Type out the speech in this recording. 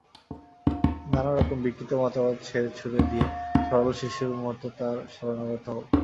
নানা রকম বিকৃত মতবাদ ছেড়ে-ছুড়ে দিয়ে সরল শিশুর মত তাঁর শরণাগত হও।